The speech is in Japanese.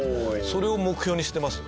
それを目標にしてます。